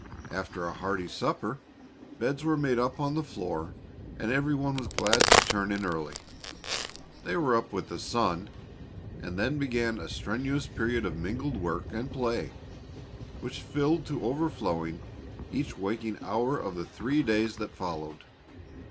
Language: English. After a hearty supper, beds were made up on the floor and every one was glad to turn in early. They were up with the sun, and then began a strenuous period of mingled work and play which filled to overflowing each waking hour of the three days that followed.